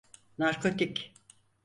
Narkotik.